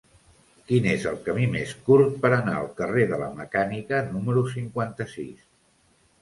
Quin és el camí més curt per anar al carrer de la Mecànica número cinquanta-sis?